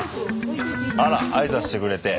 あら挨拶してくれて。